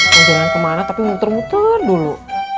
mau jalan kemana tapi muter muter dulu